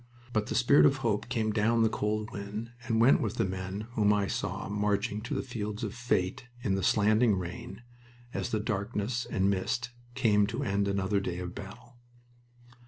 But the spirit of hope came down the cold wind and went with the men whom I saw marching to the fields of fate in the slanting rain, as the darkness and the mist came to end another day of battle.